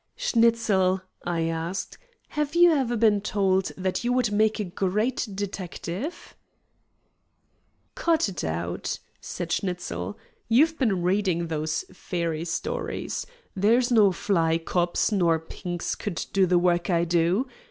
"Schnitzel," I asked, "have you ever been told that you would make a great detective?" "Cut it out," said Schnitzel. "You've been reading those fairy stories. There's no fly cops nor Pinks could do the work I do.